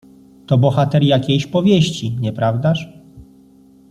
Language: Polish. "To bohater jakiejś powieści, nieprawdaż?"